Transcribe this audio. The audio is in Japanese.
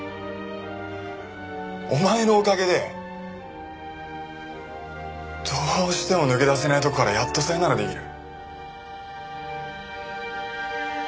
お前のおかげでどうしても抜け出せないところからやっとさよなら出来る。